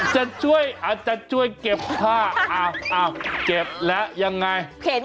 จะช่วยเก็บผ้าเอ้าเก็บแล้วยังไง